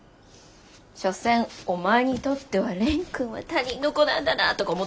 しょせんお前にとっては蓮くんは他人の子なんだなとか思ってる？